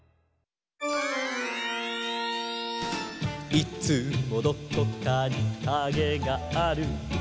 「いつもどこかにカゲがある」